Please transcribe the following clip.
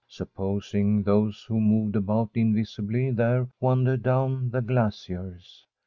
Supposing those who moved about invisibly there wandered down the glac iers!